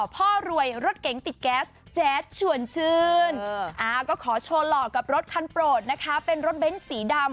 พ่อรวยรถเก๋งติดแก๊ส